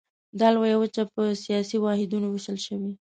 دا لویه وچه په سیاسي واحدونو ویشل شوې.